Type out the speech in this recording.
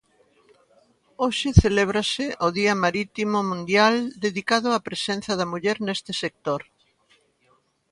Hoxe celébrase o Día Marítimo Mundial dedicado á presenza da muller neste sector.